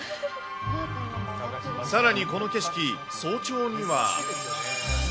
さらに、この景色、早朝には。